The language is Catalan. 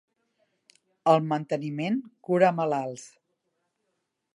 El manteniment cura malalts.